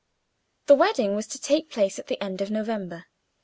The wedding was to take place at the end of November.